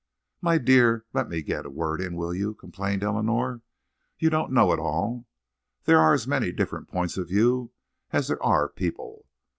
"My dear, let me get a word in, will you," complained Eleanor. "You don't know it all. There are as many different points of view as there are people....